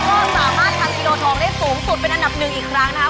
ก็สามารถทำกิโลทองได้สูงสุดเป็นอันดับหนึ่งอีกครั้งนะคะ